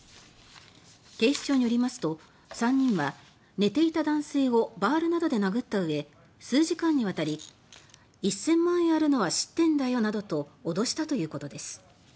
警視庁によりますと３人は寝ていた男性をバールなどで殴ったうえ数時間にわたり１０００万円あるのは知ってんだよなどと脅したということです。